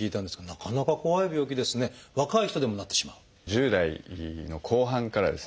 １０代の後半からですね